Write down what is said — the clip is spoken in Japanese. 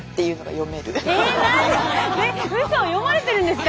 読まれてるんですか？